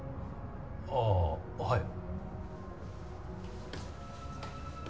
あぁはい。